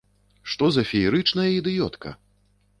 Што за феерычная ідыётка!